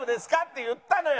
って言ったのよ。